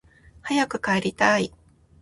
早く帰りたい